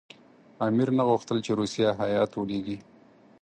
امیر نه غوښتل چې روسیه هېئت ولېږي.